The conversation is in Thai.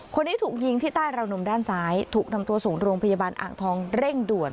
คนนี้ถูกยิงที่ใต้ราวนมด้านซ้ายถูกนำตัวส่งโรงพยาบาลอ่างทองเร่งด่วน